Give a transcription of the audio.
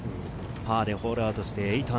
パーでホールアウトして−８。